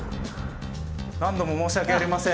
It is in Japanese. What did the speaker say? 何度も申し訳ありません。